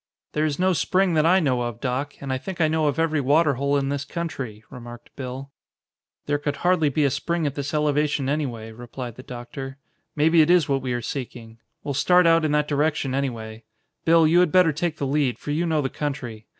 "There is no spring that I know of, Doc, and I think I know of every water hole in this country," remarked Bill. "There could hardly be a spring at this elevation, anyway," replied the doctor. "Maybe it is what we are seeking. We'll start out in that direction, anyway. Bill, you had better take the lead, for you know the country.